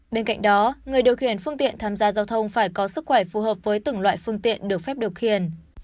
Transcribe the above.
bên cạnh đó người điều khiển phương tiện tham gia giao thông phải có sức khỏe phù hợp với từng loại phương tiện được phép điều khiển